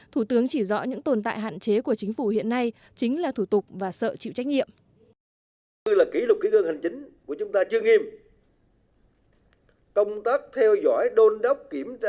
thủ tướng chỉ rõ những tồn tại hạn chế của chính phủ hiện nay chính là thủ tục và sợ chịu trách nhiệm